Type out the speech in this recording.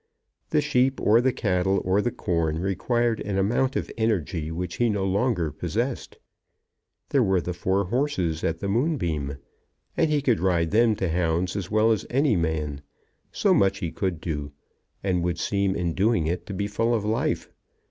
The sheep or the cattle or the corn required an amount of energy which he no longer possessed. There were the four horses at the Moonbeam; and he could ride them to hounds as well as any man. So much he could do, and would seem in doing it to be full of life.